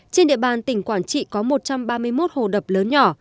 trên địa bàn tỉnh quảng trị có một trăm ba mươi một hồ đập lớn nhỏ